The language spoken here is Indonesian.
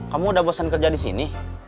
kamu udah bosan kerja di sini